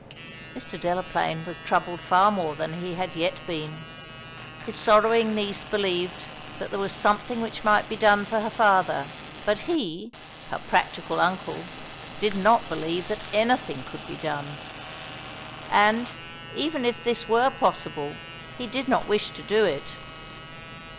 Mr. Delaplaine was troubled far more than he had yet been. His sorrowing niece believed that there was something which might be done for her father, but he, her practical uncle, did not believe that anything could be done. And, even if this were possible, he did not wish to do it.